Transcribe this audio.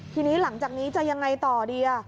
ทีนี้หลังจากนี้จะยังไงต่อดี